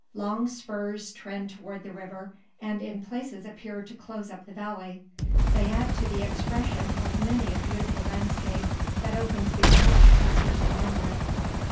Long spurs trend towards the river, and in places appear to close up the valley. They add to the expression of many a beautiful landscape that opens before us as we move onward.